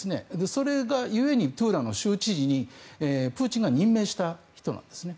それが故にトゥーラの州知事にプーチンが任命した人なんですね。